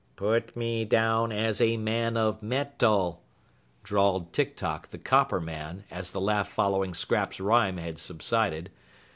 "Put me down as a man of me tal!" drawled Tik Tok the copper man as the laugh following Scraps' rhyme had subsided.